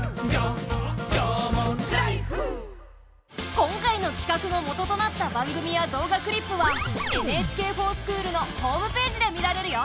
今回の企画のもととなった番組や動画クリップは「ＮＨＫｆｏｒＳｃｈｏｏｌ」のホームページで見られるよ。